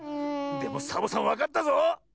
でもサボさんわかったぞ！